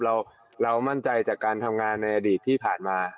เรามั่นใจจากการทำงานในอดีตที่ผ่านมา